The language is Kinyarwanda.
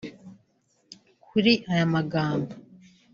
Kuri aya magambo